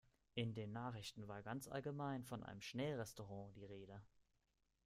In den Nachrichten war ganz allgemein von einem Schnellrestaurant die Rede.